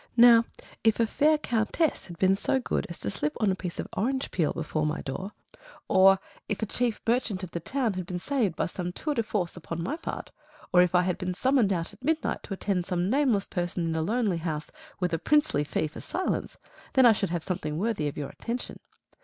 Now, if a fair countess had been so good as to slip on a piece of orange peel before my door, or if the chief merchant in the town had been saved by some tour de force upon my part, or if I had been summoned out at midnight to attend some nameless person in a lonely house with a princely fee for silence then I should have something worthy of your attention.